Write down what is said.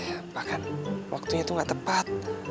eh bahkan waktunya tuh gak tepat